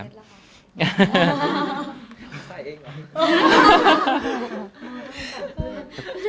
ไม่ใช่เองหรอ